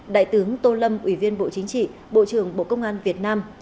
đại tướng tô lâm ủy viên bộ chính trị bộ trưởng bộ công an việt nam